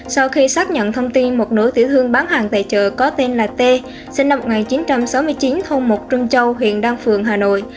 sau khi xác nhận thông tin một nỗi tiểu thương bán hàng tại chợ có tên là t sinh năm một nghìn chín trăm sáu mươi chín thông một trưng châu huyện đăng phường hà nội